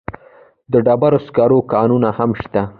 د ډبرو سکرو کانونه هم شته.